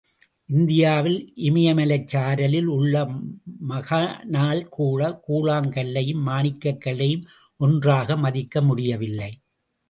இந்தியாவில் இமயமலைச்சாரலில் உள்ள மகானால்கூட கூழாங் கல்லையும், மாணிக்கக் கல்லையும் ஒன்றாக மதிக்க முடியவில்லை.